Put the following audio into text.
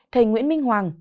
thầy nguyễn minh hoàng